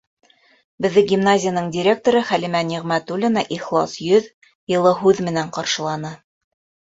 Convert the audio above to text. Беҙҙе гимназияның директоры Хәлимә Ниғмәтуллина ихлас йөҙ, йылы һүҙ менән ҡаршыланы.